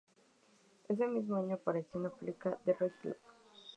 Ese mismo año apareció en la película "The Riot Club".